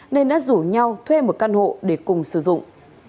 nên đã rủ nhau thuê một căn hộ để cùng sử dụng